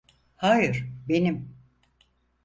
Hayır, benim!